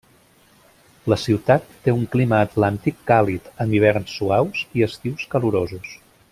La ciutat té un clima atlàntic càlid, amb hiverns suaus i estius calorosos.